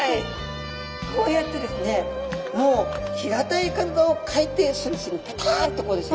こうやってですねもう平たい体を海底スレスレペタンとこうですね